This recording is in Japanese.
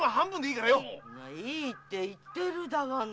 いやいいって言ってるだがね。